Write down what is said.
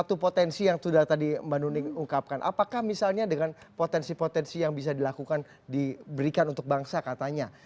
satu potensi yang sudah tadi mbak nuning ungkapkan apakah misalnya dengan potensi potensi yang bisa dilakukan diberikan untuk bangsa katanya